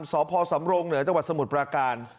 สพสำรงเหนือจังหวัดสมุทรปราการ